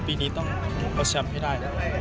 ปีนี้ต้องเอาแชมป์ให้ได้แล้ว